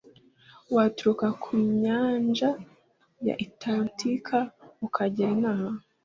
waturuka ku nyanja ya atlantika, ukagera inaha